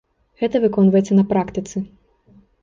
Гэта выконваецца на практыцы.